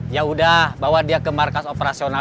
ya udah bawa dia ke markas operasional